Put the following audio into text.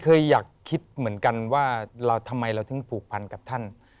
เคยอยากคิดเหมือนกันว่าทำไมเราถึงผูกพันกับท่าน